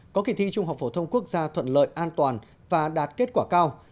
có kỳ thi trung học phổ thông quốc gia thuận lợi an toàn và đạt kết quả cao